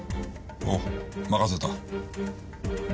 おう任せた。